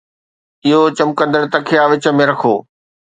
اهو چمڪندڙ تکيا وچ ۾ رکو